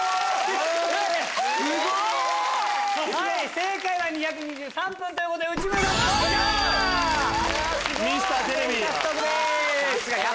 正解は２２３分ということで内村さんドンピシャ！